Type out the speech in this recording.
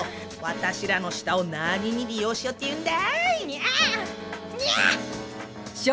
私らの舌を何に利用しようっていうんだ！